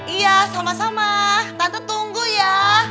iya sama sama tante tunggu ya